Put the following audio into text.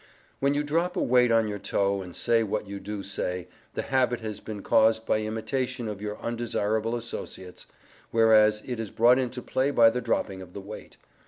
When you drop a weight on your toe, and say what you do say, the habit has been caused by imitation of your undesirable associates, whereas it is brought into play by the dropping of the weight.